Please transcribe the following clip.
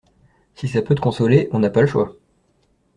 Si ça peut te consoler, on n'a pas le choix.